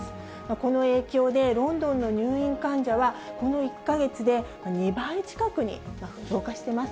この影響で、ロンドンの入院患者はこの１か月で２倍近くに増加してます。